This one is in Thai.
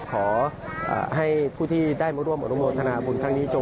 ขอให้ผู้ที่ได้มาร่วมอนุโมทนาบุญครั้งนี้จง